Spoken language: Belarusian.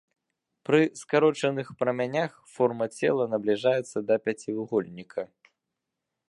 Пры скарочаных прамянях форма цела набліжаецца да пяцівугольніка.